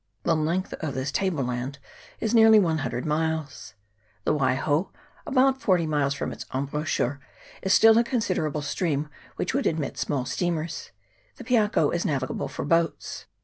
The length of this table land is nearly one hundred miles. The Waiho about forty miles from its embouchure is still a considerable stream, which would admit small steamers ; the Piako is navigable for boats.